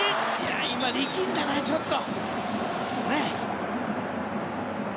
今、力んだな、ちょっと。